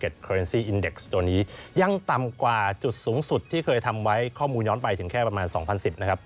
ที่เคยทำไว้ข้อมูลย้อนไปถึงแค่ประมาณ๒๐๑๐นะครับ